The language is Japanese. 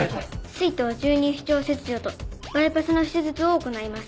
膵頭十二指腸切除とバイパスの手術を行います。